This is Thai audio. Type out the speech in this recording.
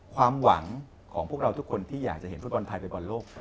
ความหวังของพวกเราทุกคนที่อยากจะเห็นฟุตบอลไทยไปบอลโลก